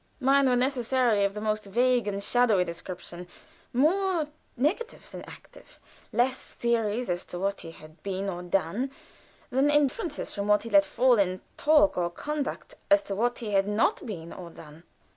Mine were necessarily of the most vague and shadowy description; more negative than active, less theories as to what he had been or done than inferences from what he let fall in talk or conduct as to what he had not been or done.